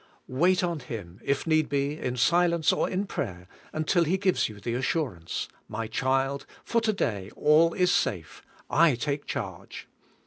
Wait on Him, if need be, in silence, or in prayer, until He gives you the assurance, "My child, for to day all is safe; I take charge."